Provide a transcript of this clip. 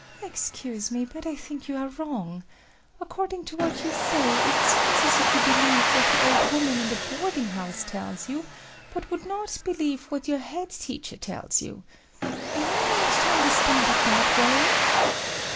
"Excuse me, but I think you are wrong. According to what you say, it seems as if you believe what the old woman in the boarding house tells you, but would not believe what your head teacher tells you. Am I right to understand it that way?"